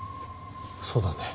そうだね。